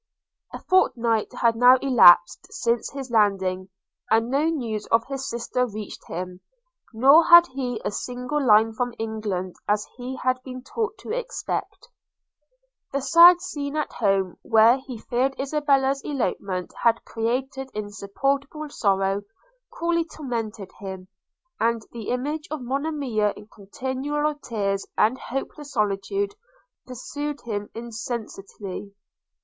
A fortnight had now elapsed since his landing, and no news of his sister reached him, nor had he a single line from England as he had been taught to expect. The sad scene at home, where he feared Isabella's elopement had created insupportable sorrow, cruelly tormented him; and the image of Monimia in continual tears and hopeless solitude, pursued him incessantly.